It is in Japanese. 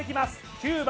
９番！